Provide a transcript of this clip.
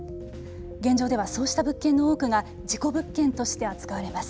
現状では、そうした物件の多くが事故物件として扱われます。